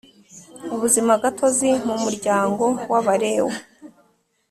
ubuzima gatozi mu muryango w abalewi